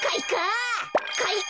かいか！